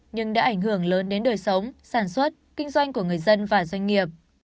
nhưng đã ảnh hưởng lớn đến đời sống sản xuất kinh doanh của người dân và doanh nghiệp